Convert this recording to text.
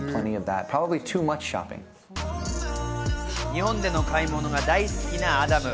日本での買い物が大好きなアダム。